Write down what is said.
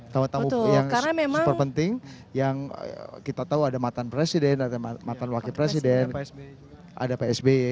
tamu tamu yang super penting yang kita tahu ada mantan presiden ada mantan wakil presiden ada psb